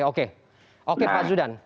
oke pak zudan